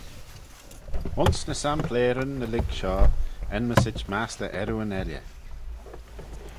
Ayns ny sampleyryn ny lurg shoh, enmyssit mastey earrooyn elley.